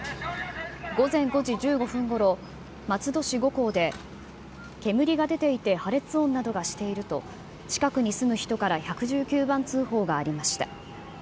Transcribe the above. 午前５時１５分ごろ、松戸市五香で煙が出ていて破裂音などがしていると、近くに住む人から１１９番通報がありました。